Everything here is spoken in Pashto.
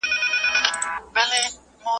بلا توره دي پسې ستا په هنر سي.